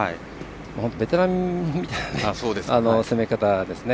本当にベテランみたいな攻め方ですね。